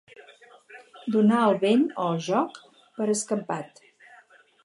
Donar el vent o el joc per escampat.